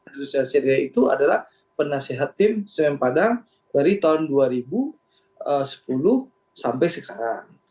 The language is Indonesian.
julius syariah itu adalah penasehat tim sem padang dari tahun dua ribu sepuluh sampai sekarang